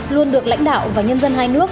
luôn được lãnh đạo và nhân dân hai nước